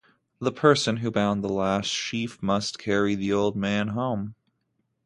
The person who bound the last sheaf must carry the Old Man home.